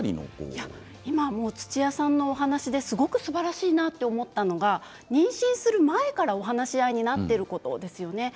土屋さんのお話ですばらしいなと思ったのは妊娠する前から、お話し合いになっていることですよね。